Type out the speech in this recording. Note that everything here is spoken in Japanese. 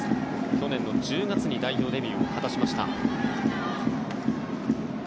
去年の１０月に代表デビューを果たしました。